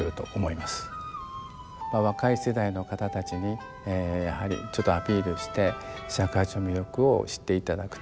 まあ若い世代の方たちにやはりちょっとアピールして尺八の魅力を知っていただくと。